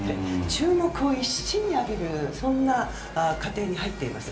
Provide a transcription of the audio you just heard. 注目を一身に浴びるそんな過程に入っています。